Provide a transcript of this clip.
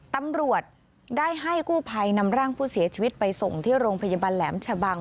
ตำรวจได้ให้กู้ภัยนำร่างผู้เสียชีวิตไปส่งที่โรงพยาบาลแหลมชะบัง